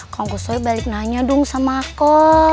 kau gak tahu balik nanya dong sama aku